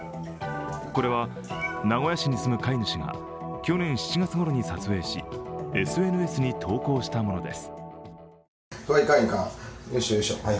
これは名古屋市に住む飼い主が去年７月ごろに撮影しＳＮＳに投稿したものです。